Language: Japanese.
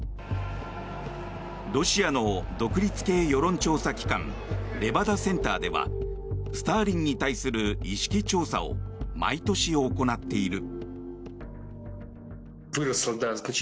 ロシアの独立系世論調査機関レバダ・センターではスターリンに対する意識調査を毎年、行っている。